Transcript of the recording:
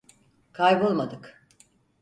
Kaybolmadık.